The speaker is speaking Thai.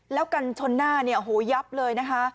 แล้วกันชนหน้าเนี่ยโอ้โหยับเลยนะคะ